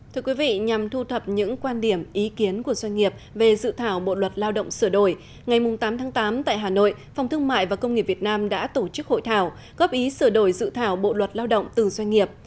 thưa quý vị nhằm thu thập những quan điểm ý kiến của doanh nghiệp về dự thảo bộ luật lao động sửa đổi ngày tám tháng tám tại hà nội phòng thương mại và công nghiệp việt nam đã tổ chức hội thảo góp ý sửa đổi dự thảo bộ luật lao động từ doanh nghiệp